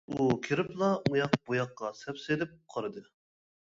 ئۇ كىرىپلا ئۇياق-بۇياققا سەپ سېلىپ قارىدى.